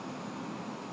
ber pepukan